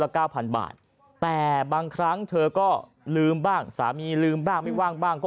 เก้าพันบาทแต่บางครั้งเธอก็ลืมบ้างสามีลืมบ้างไม่ว่างบ้างก็